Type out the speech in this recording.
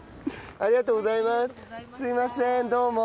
ありがとうございます。